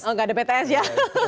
oh nggak ada pts ya